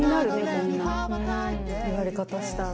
こんな言われ方したら。